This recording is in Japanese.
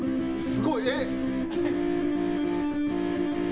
すごいえっ？